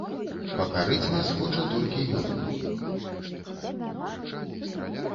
Пакарыць нас хоча толькі ён.